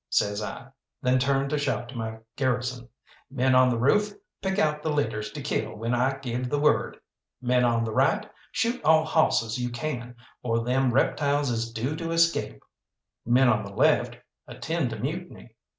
says I, then turned to shout to my garrison. "Men on the roof, pick out the leaders to kill when I give the word! Men on the right, shoot all hawsses you can, or them reptiles is due to escape! Men on the left, attend to Mutiny!